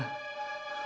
lalu dia akan mencari